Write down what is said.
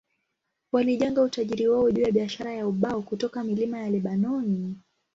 Walijenga utajiri wao juu ya biashara ya ubao kutoka milima ya Lebanoni.